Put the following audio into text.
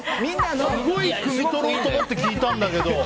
すごい汲み取ろうと思って聞いたんだけど。